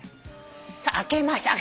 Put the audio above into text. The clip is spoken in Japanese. さあ開けました。